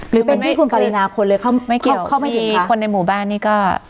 หรือเป็นที่คุณปริณาคนเลยเข้าไม่เข้าไม่เข้าไปถึงค่ะมีคนในหมู่บ้านนี่ก็